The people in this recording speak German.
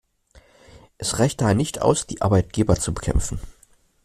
Es reicht daher nicht aus, die Arbeitgeber zu bekämpfen.